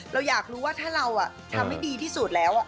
เราอยากรู้ว่าถ้าเราทำให้ดีที่สุดแล้ว